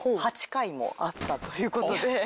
８回もあったということで。